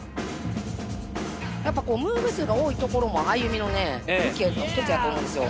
やっぱムーブ数が多いところもＡｙｕｍｉのね、武器の一つだと思うんですよ。